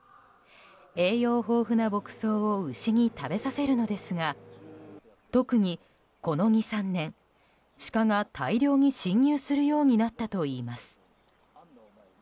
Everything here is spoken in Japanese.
栄養豊富な牧草を牛に食べさせるのですが特にこの２３年シカが大量に侵入するようになったといいます。